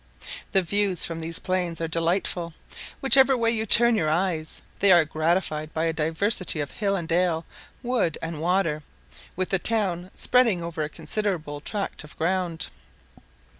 The views from these plains are delightful; whichever way you turn your eyes they are gratified by a diversity of hill and dale, wood and water, with the town spreading over a considerable tract of ground.